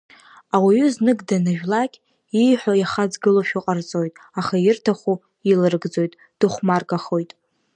Ауаҩы знык данажәлак, ииҳәо иахаҵгылошәа ҟарҵоит, аха ирҭаху иларыгӡоит, дыхәмаргахоит…